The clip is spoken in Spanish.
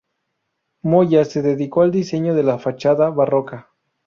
Moya se dedicó al diseño de la fachada barroca.